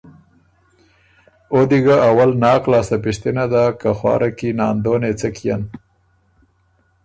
او دی ګۀ اول ناک لاسته پِشتِنه داک که خواره کی ناندونې څۀ کيېن؟